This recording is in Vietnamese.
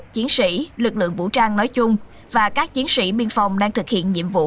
chiến sĩ lực lượng vũ trang nói chung và các chiến sĩ biên phòng đang thực hiện nhiệm vụ